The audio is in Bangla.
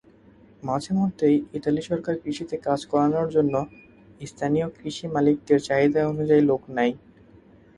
মাঝেমধ্যেই ইতালি সরকার কৃষিতে কাজ করানোর জন্য স্থানীয় কৃষি-মালিকদের চাহিদা অনুযায়ী লোক নেয়।